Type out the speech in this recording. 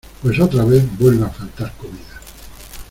pues otra vez, vuelve a faltar comida.